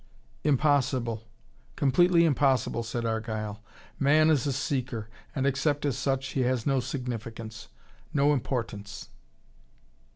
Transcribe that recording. "Impossible! Completely impossible!" said Argyle. "Man is a seeker, and except as such, he has no significance, no importance."